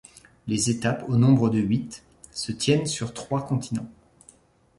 Les étapes, au nombre de huit, se tiennent sur trois continents.